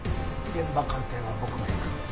現場鑑定は僕が行く。